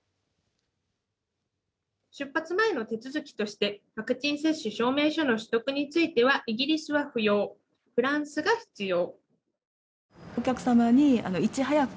出発前の手続きとして、ワクチン接種証明書の取得については、イギリスは不要、フランスが必要。